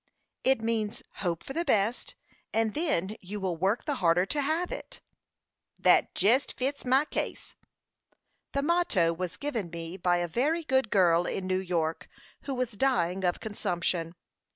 "It means hope for the best, and then you will work the harder to have it." "Thet jest fits my case." "The motto was given me by a very good girl in New York, who was dying of consumption.